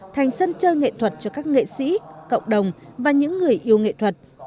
thành sân chơi nghệ thuật cho các nghệ sĩ cộng đồng và những người yêu nghệ thuật